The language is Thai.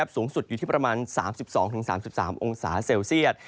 สูงสุดอยู่ที่ประมาณ๓๒๓๓องศาเซลเซียต